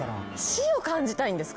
死を感じたいんですか？